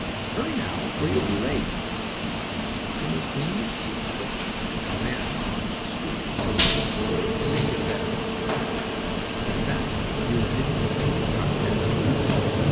Hurry, now, or you'll be late." Jimmie cleaned his teeth quickly, and ran on to school so he wouldn't be late and get a bad mark. What's that? You didn't know ducks had teeth?